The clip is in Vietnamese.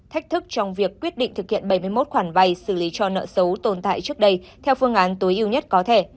thách thức trong việc quyết định thực hiện bảy mươi một khoản vay xử lý cho nợ xấu tồn tại trước đây theo phương án tối ưu nhất có thể